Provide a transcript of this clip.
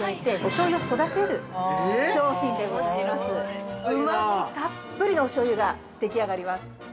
うまみたっぷりのおしょうゆができ上がります。